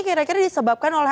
kira kira disebabkan oleh